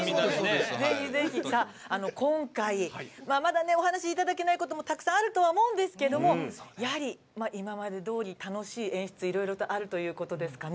今回、まだお話をいただけないこともたくさんあるとは思うんですけどやはり、今までどおり楽しい演出いろいろとあるということですかね。